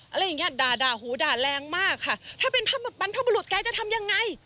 อะไรอย่างเงี้ยด่าด่าหูด่าแรงมากค่ะถ้าเป็นบรรพบรุษแกจะทำยังไง